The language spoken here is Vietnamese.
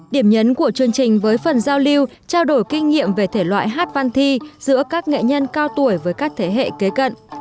điểm nhấn của chương trình với phần giao lưu trao đổi kinh nghiệm về thể loại hát văn thi giữa các nghệ nhân cao tuổi với các thế hệ kế cận